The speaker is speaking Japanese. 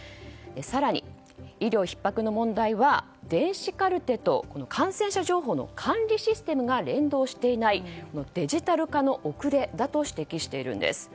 更に、医療ひっ迫の問題は電子カルテと感染者情報の管理システムが連動していないデジタル化の遅れだと指摘しているんです。